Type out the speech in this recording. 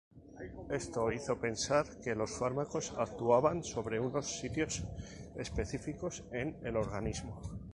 Esto hizo pensar que los fármacos actuaban sobre unos "sitios" específicos en el organismo.